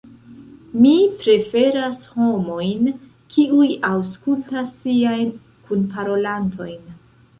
Mi preferas homojn, kiuj aŭskultas siajn kunparolantojn.